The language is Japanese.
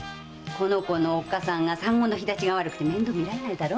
この子の母親が産後の肥立ちが悪くて面倒みられないだろ？